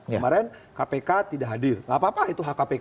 kemarin kpk tidak hadir tidak apa apa itu hak kpk